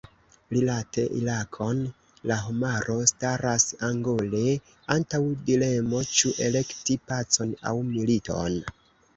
Rilate Irakon la homaro staras angore antaŭ dilemo, ĉu elekti pacon aŭ militon.